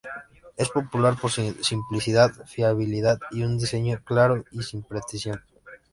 Es popular por su simplicidad, fiabilidad y un diseño claro y sin pretensiones.